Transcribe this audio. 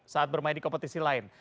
saat bermain di kompetisi lain